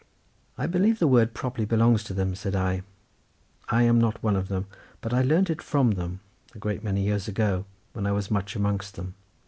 "I believe the word properly belongs to them," said I. "I am not one of them; but I learnt it from them, a great many years ago, when I was much amongst them.